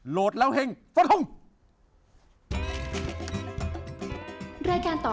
โหลดแล้วเฮ่งสวัสดีครับ